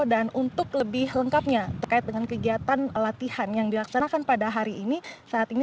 dan untuk lebih lengkapnya terkait dengan kegiatan latihan yang dilaksanakan pada hari ini saat ini